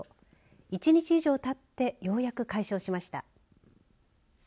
１日以上たってようやく解消しました。